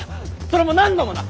それも何度もだ。